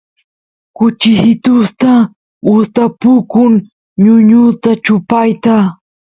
kuchisitusta gustapukun ñuñuta chupayta